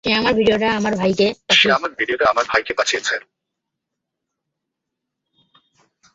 সে আমার ভিডিওটা আমার ভাইকে পাঠিয়েছে।